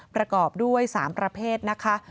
ประกอบด้วย๓ประเภทนะคะ